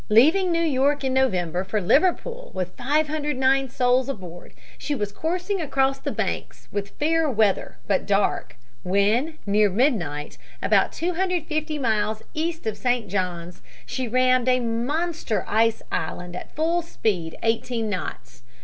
Leaving New York in November for Liverpool, with 509 souls aboard, she was coursing across the Banks, with fair weather but dark, when, near midnight, about 250 miles east of St. John's, she rammed a monster ice island at full speed eighteen knots.